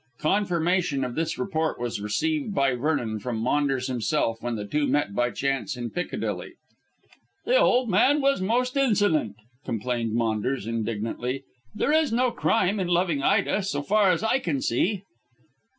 Confirmation of this report was received by Vernon from Maunders himself, when the two met by chance in Piccadilly. "The old man was most insolent," complained Maunders indignantly; "There is no crime in loving Ida, so far as I can see."